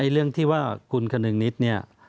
เรื่องที่ว่าคุณคณิตเนี่ย